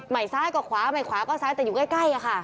ไหมซ้ายก็ขวาไหมขวาก็ซ้ายแต่อยู่ใกล้ครับค่ะ